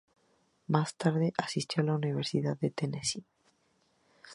Más tarde asistió a la Universidad de Tennessee.